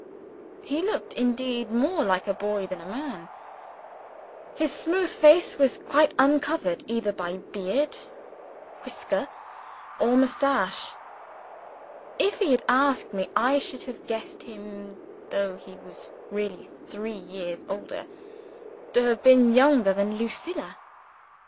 He looked indeed more like a boy than a man: his smooth face was quite uncovered, either by beard, whisker, or mustache. If he had asked me, I should have guessed him (though he was really three years older) to have been younger than Lucilla.